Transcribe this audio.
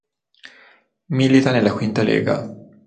Milita nella Quinta Lega.